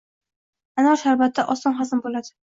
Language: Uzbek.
Anor sharbati oson hazm bo‘ladi.